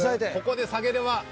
ここで下げれば］